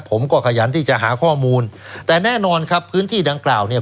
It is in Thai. ขยันที่จะหาข้อมูลแต่แน่นอนครับพื้นที่ดังกล่าวเนี่ย